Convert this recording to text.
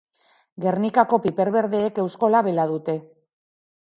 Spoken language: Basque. Gernikako piper berdeek eusko labela dute.